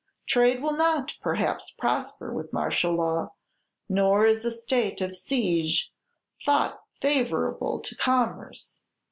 Trade will not, perhaps, prosper with martial law, nor is a state of siege thought favorable to commerce.